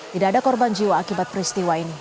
tidak ada korban jiwa akibat peristiwa ini